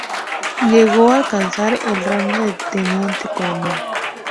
Llegó a alcanzar el rango de teniente coronel.